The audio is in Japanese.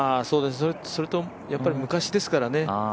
それとやっぱり昔ですからね。